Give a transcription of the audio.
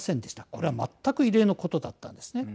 これは全く異例のことだったんですね。